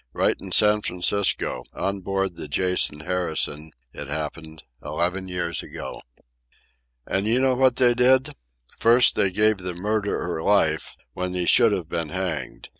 Right in San Francisco, on board the Jason Harrison, it happened, eleven years ago. "And do you know what they did? First, they gave the murderer life, when he should have been hanged.